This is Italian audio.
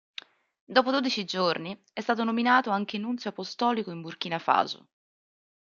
Dopo dodici giorni, è stato nominato anche nunzio apostolico in Burkina Faso.